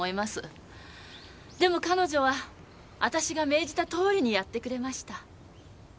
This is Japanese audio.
でも彼女は私が命じたとおりにやってくれました。